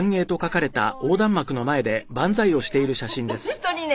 本当にね